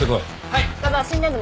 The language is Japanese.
はい。